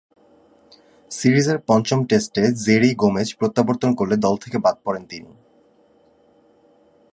সিরিজের পঞ্চম টেস্টে জেরি গোমেজ প্রত্যাবর্তন করলে দল থেকে বাদ পড়েন তিনি।